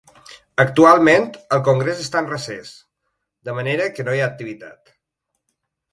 Actualment el congrés està en recés, de manera que no hi ha activitat.